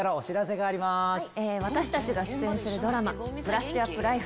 私たちが出演するドラマ『ブラッシュアップライフ』。